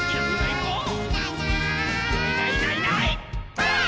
ばあっ！